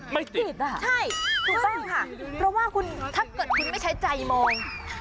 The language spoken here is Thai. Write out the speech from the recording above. ไม่ติดอ่ะใช่ถูกต้องค่ะเพราะว่าคุณถ้าเกิดคุณไม่ใช้ใจมอง